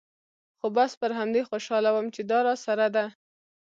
خو بس پر همدې خوشاله وم چې دا راسره ده.